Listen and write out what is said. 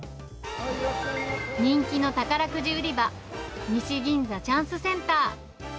人気の宝くじ売り場、西銀座チャンスセンター。